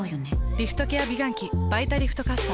リフトケア美顔器「バイタリフトかっさ」。